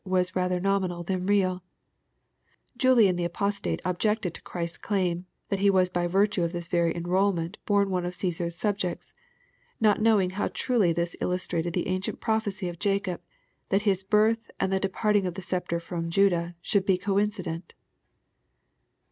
was rather nominal than real Julian the apostate objected to Christ's claim, that He was by virtue of this very enrolment bom one of Caesar's subjects, not knowing how truly this illus trated the ancient prophecy of Jacob, that his birth and the de parting of the sceptre from Judah should be coincident" 4.